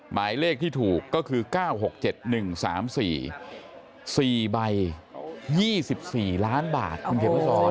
หมายเลขที่ถูกก็คือ๙๖๗๑๓๔๔ใบ๒๔ล้านบาทคุณเขียนมาสอน